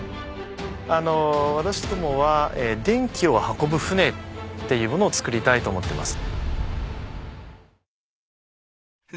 私どもは電気を運ぶ船っていうものをつくりたいと思っています。